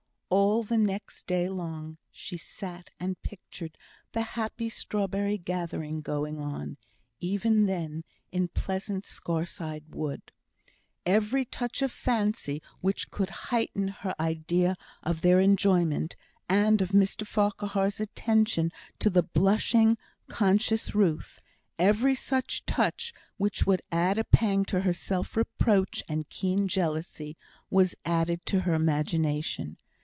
All the next day long she sat and pictured the happy strawberry gathering going on, even then, in pleasant Scaurside Wood. Every touch of fancy which could heighten her idea of their enjoyment, and of Mr Farquhar's attention to the blushing, conscious Ruth every such touch which would add a pang to her self reproach and keen jealousy, was added by her imagination.